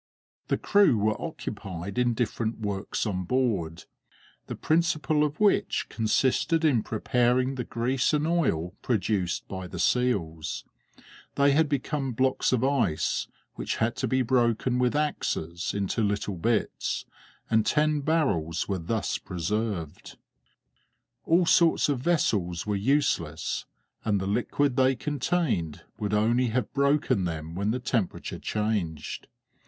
The crew were occupied in different works on board, the principal of which consisted in preparing the grease and oil produced by the seals; they had become blocks of ice, which had to be broken with axes into little bits, and ten barrels were thus preserved. All sorts of vessels were useless, and the liquid they contained would only have broken them when the temperature changed.